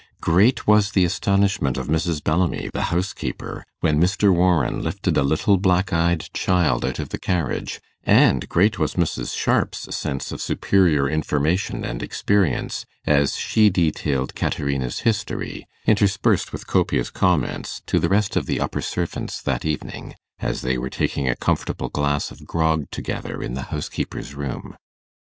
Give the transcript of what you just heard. Great was the astonishment of Mrs. Bellamy, the housekeeper, when Mr. Warren lifted a little black eyed child out of the carriage, and great was Mrs. Sharp's sense of superior information and experience, as she detailed Caterina's history, interspersed with copious comments, to the rest of the upper servants that evening, as they were taking a comfortable glass of grog together in the housekeeper's room.